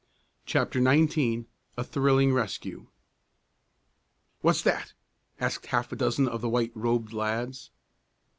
CHAPTER XIX A THRILLING RESCUE "What's that?" asked half a dozen of the white robed lads.